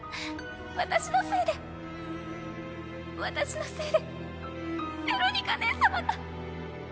私のせいで私のせいでベロニカ姉様が。